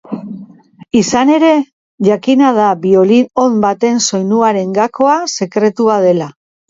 Izan ere, jakina da biolin on baten soinuaren gakoa sekretua dela.